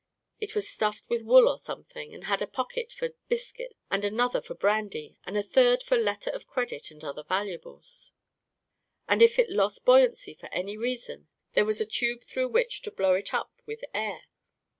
It was stuffed with wool or something, and had a pocket for bis cuits and another for brandy and a third for letter of credit and other valuables, and if it lost buoyancy for any reason, there was a tube through which to blow it up with air.